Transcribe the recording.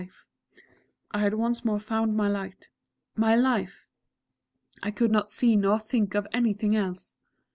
I had once more found my Light my Life! I could not see nor think of anything else!